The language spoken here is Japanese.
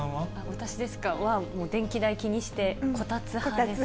私ですか、は、電気代気にして、こたつ派です。